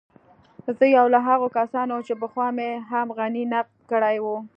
زه يو له هغو کسانو وم چې پخوا مې هم غني نقد کړی و.